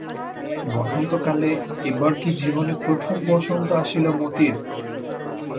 বসন্তকালে এবার কি জীবনে প্রথম বসন্ত আসিল মতির?